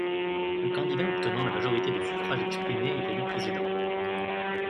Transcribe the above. Le candidat obtenant la majorité des suffrages exprimés est élu président.